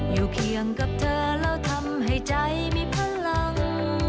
เคียงกับเธอแล้วทำให้ใจมีพลัง